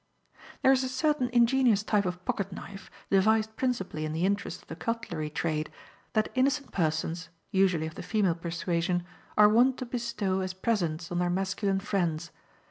There is a certain ingenious type of pocket knife, devised principally in the interest of the cutlery trade, that innocent persons (usually of the female persuasion) are wont to bestow as presents on their masculine friends.